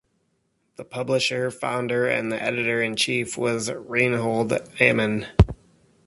The publisher, founder, and editor-in-chief was Reinhold Aman.